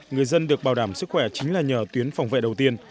người dân được bảo đảm sức khỏe chính là nhờ tuyến phòng vệ đầu tiên